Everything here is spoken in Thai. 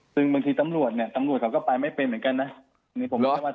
ซึ่งบางทีตำรวจเขาก็ไปไม่เป็นเหมือนกันนะ